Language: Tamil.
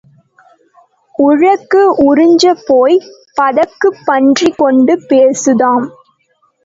உழக்கு உறிஞ்சப் போய்ப் பதக்குப் பன்றி கொண்டு போச்சுதாம்.